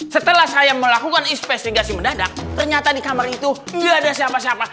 setelah saya melakukan investigasi mendadak ternyata di kamar itu tidak ada siapa siapa